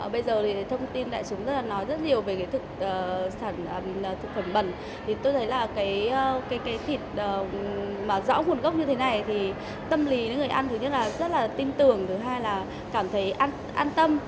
bây giờ thì thông tin đại chúng rất là nói rất nhiều về cái thực phẩm bẩn thì tôi thấy là cái thịt mà rõ nguồn gốc như thế này thì tâm lý người ăn thứ nhất là rất là tin tưởng thứ hai là cảm thấy an tâm